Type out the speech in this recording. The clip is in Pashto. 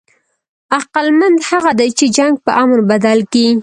عقلمند هغه دئ، چي جنګ په امن بدل کي.